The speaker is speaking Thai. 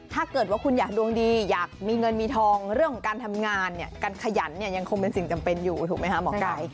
ถ้าเกิดว่าคุณอยากดวงดีอยากมีเงินมีทองเรื่องของการทำงานเนี่ยการขยันเนี่ยยังคงเป็นสิ่งจำเป็นอยู่ถูกไหมคะหมอไก่